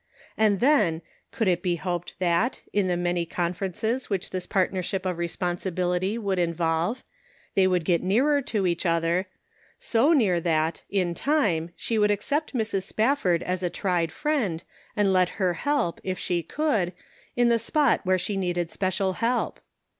And then, could it be hoped that, in the many con ferences which this partnership of responsi 288 The Pocket Measure. bility would involve, they would get nearer to each other ; so near that, in time, she would ac cept Mrs. Spafford as a tried friend, and let her help, if she could, in the spot where she needed special help